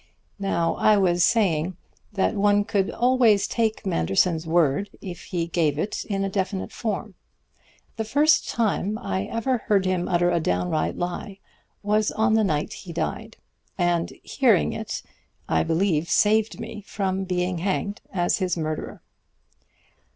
"Now I was saying that one could always take Manderson's word if he gave it in a definite form. The first time I ever heard him utter a downright lie was on the night he died; and hearing it, I believe, saved me from being hanged as his murderer."